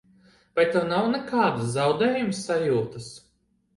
Vai tev nav nekādas zaudējuma sajūtas?